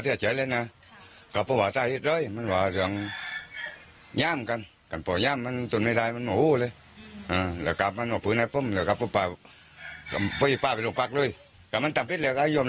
แต่พ่อจะบ้วงว่าไปโรงพักกันมองตัวอย่างเดียว